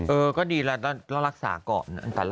เออก็ดีแล้วต้องรักษาก่อน